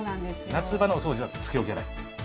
夏場のお掃除はつけ置き洗い。